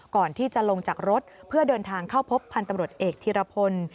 ก่อนที่จะลงจากรถเพื่อเดินทางเข้าพบพันธุ์ตำรวจเอกธีรพล